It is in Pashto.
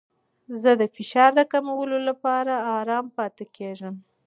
زه د فشار کمولو لپاره ارام پاتې کیږم.